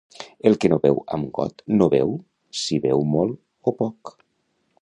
El que no beu amb got no veu si beu molt o poc.